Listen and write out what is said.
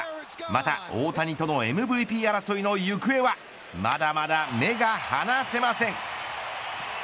また大谷とのＭＶＰ争いの行方はまだまだ目が離せません。